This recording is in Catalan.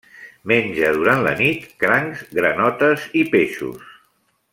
Menja durant la nit crancs, granotes i peixos.